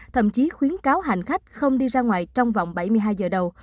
thậm chí khuyến cáo hành khách không đi ra ngoài trong vòng bảy mươi hai giờ đầu